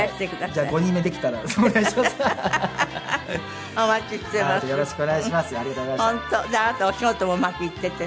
あなたお仕事もうまくいっていてね。